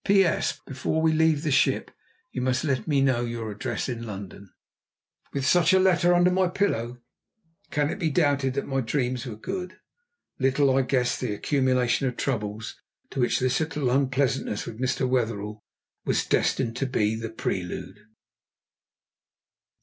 "P.S. Before we leave the ship you must let me know your address in London." With such a letter under my pillow, can it be doubted that my dreams were good? Little I guessed the accumulation of troubles to which this little unpleasantness with Mr. Wetherell was destined to be the prelude!